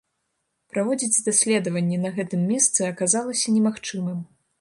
Праводзіць даследаванні на гэтым месцы аказалася немагчымым.